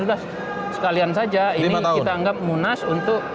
sudah sekalian saja ini kita anggap munas untuk